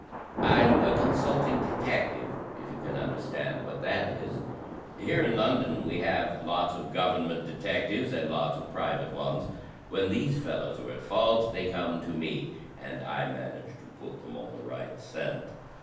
I*m a consulting detective, if you can understand what that is. Here in London we have lots of government detectives and lots of private ones. When these fellows are at fault they come to me, and I manage to put them on the right scent.